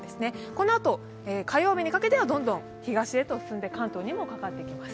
このあと火曜日にかけては、どんどん東へと進んで関東にもかかってきます。